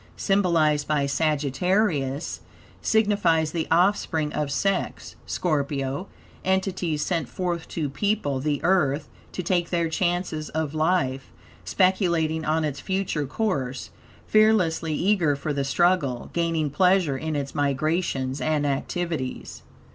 symbolized by Sagittarius, signifies the offspring of sex (Scorpio), entities sent forth to people the Earth, to take their chances of life, speculating on its future course, fearlessly eager for the struggle, gaining pleasure in its migrations and activities.